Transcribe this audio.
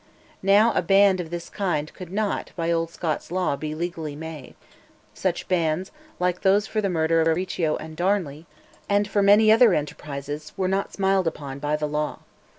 Now a "band" of this kind could not, by old Scots law, be legally made; such bands, like those for the murder of Riccio and of Darnley, and for many other enterprises, were not smiled upon by the law.